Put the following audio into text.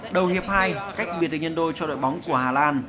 đầu hiệp hai khách biệt hình nhân đôi cho đội bóng của hà lan